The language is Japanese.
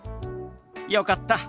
よかった。